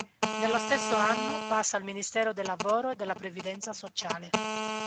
Nello stesso anno passa al Ministero del Lavoro e della Previdenza Sociale.